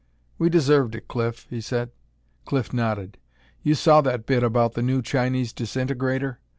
"We deserved it, Cliff," he said. Cliff nodded. "You saw that bit about the new Chinese disintegrator?